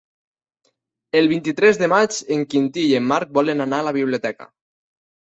El vint-i-tres de maig en Quintí i en Marc volen anar a la biblioteca.